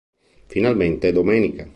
Finalmente domenica!